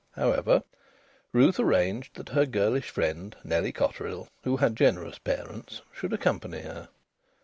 However, Ruth arranged that her girlish friend, Nellie Cotterill, who had generous parents, should accompany her.